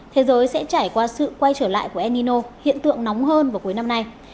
thế giới sẽ trải qua sự quay trở lại của enino hiện tượng nóng hơn vào cuối năm nay